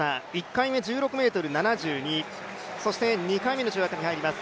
１回目１６ｍ７２、そして２回目の跳躍に入ります。